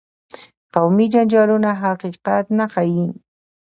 قومي جنجالونه حقیقت نه ښيي.